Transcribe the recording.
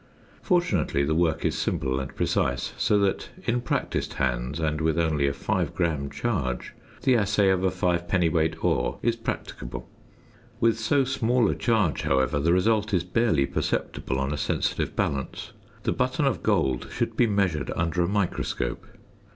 Fortunately the work is simple and precise, so that in practised hands and with only a 5 gram charge the assay of a 5 dwt. ore is practicable; with so small a charge, however, the result is barely perceptible on a sensitive balance: the button of gold should be measured under a microscope.